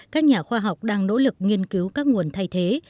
các nhà khoa học đang nỗ lực nghiên cứu các nguồn thay thế